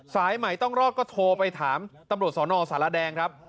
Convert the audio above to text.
สายใหม่ต้องรอดก็โทรไปถามตำรวจสนสารแดงครับ